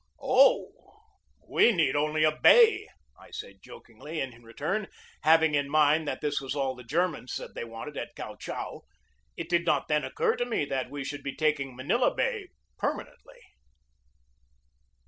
"Oh, we need only a bay," I said jokingly in return, having in mind that this was all the Germans said that they wanted at Kiau Chau. It did not then occur to me that we should be taking Manila Bay permanently.